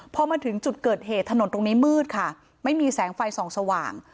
พอมาถึงจุดเกิดเหตุถนนตรงนี้มืดค่ะไม่มีแสงไฟส่องสว่าง